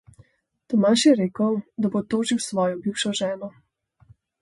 Tomaž je rekel, da bo tožil svojo bivšo ženo.